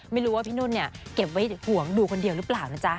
ไม่รู้ว่าพี่นุ่นเนี่ยเก็บไว้ห่วงดูคนเดียวหรือเปล่านะจ๊ะ